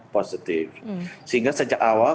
positif sehingga sejak awal